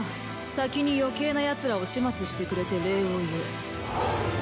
先に余計なヤツらを始末してくれて礼を言う。